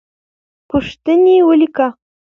پوښتنې ولیکه.